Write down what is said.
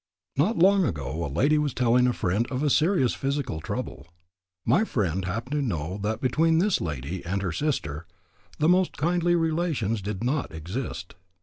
Not long ago a lady was telling a friend of a serious physical trouble. My friend happened to know that between this lady and her sister the most kindly relations did not exist.